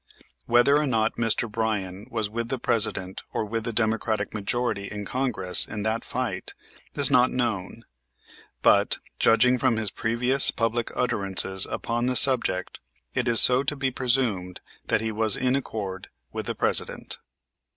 Whether or not Mr. Bryan was with the President or with the Democratic majority in Congress in that fight is not known; but, judging from his previous public utterances upon the subject, it is to be presumed that he was in accord with the President.